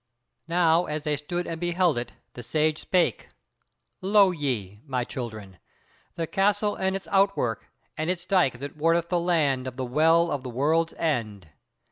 Now as they stood and beheld it, the Sage spake: "Lo ye, my children, the castle and its outwork, and its dyke that wardeth the land of the Well at the World's End.